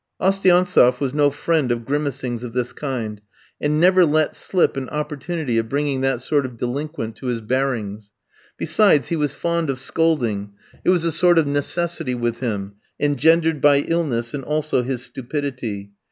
Oustiantsef was no friend of grimacings of this kind, and never let slip an opportunity of bringing that sort of delinquent to his bearings. Besides, he was fond of scolding; it was a sort of necessity with him, engendered by illness and also his stupidity.